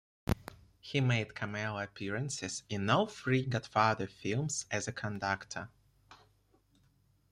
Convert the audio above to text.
He made cameo appearances in all three "Godfather" films as a conductor.